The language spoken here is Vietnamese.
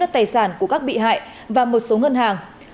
tài sản của các bị hại và một số ngân hàng